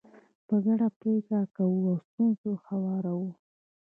په ګډه پرېکړې کوو او ستونزې هواروو.